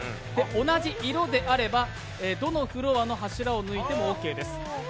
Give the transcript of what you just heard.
同じ色であればどのフロアの柱を抜いてもオーケーです。